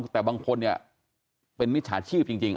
แต่บางคนเนี่ยเป็นมิจฉาชีพจริง